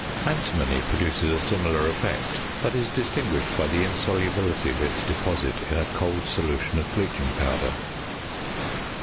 Antimony produces a similar effect, but is distinguished by the insolubility of its deposit in a cold solution of bleaching powder.